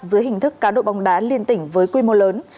dưới hình thức cá đụ bông đá liên tỉnh với quy mô lớn